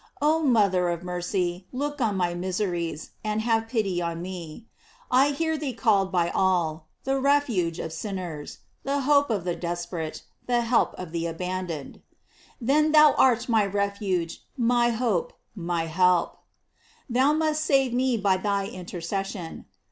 Ok mother of mercy, look on my miseries, and have pity on me. I hear thee called by all: The ref uge of sinners, the hope of the desperate, the help of the abandoned. Then thou art my ref uge, my hope, my help. Thou must save me by thy intercession.